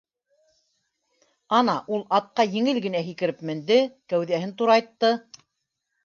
Ана, ул атҡа еңел генә һикереп менде, кәүҙәһен турайтты.